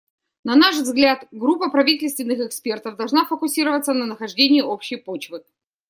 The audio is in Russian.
На наш взгляд, группа правительственных экспертов должна фокусироваться на нахождении общей почвы.